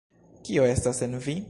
Kio estas en vi?